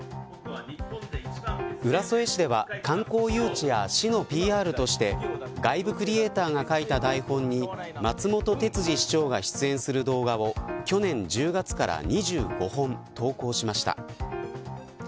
浦添市では観光誘致や市のＰＲとして外部クリエイターが書いた台本に松本哲治市長が出演する動画を去年１０月から２５本投稿しました。